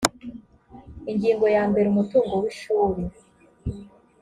ingingo ya mbere umutungo w ishuri